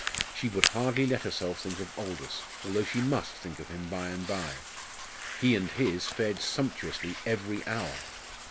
She would hardly let herself think of Aldous though she must think of him by and by! He and his fared sumptuously every hour!